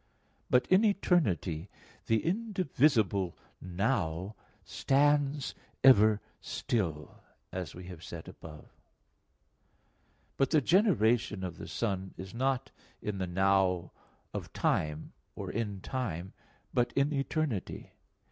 But in eternity the indivisible "now" stands ever still, as we have said above (Q. 10, A. 2, ad 1; A. 4, ad 2). But the generation of the Son is not in the "now" of time, or in time, but in eternity.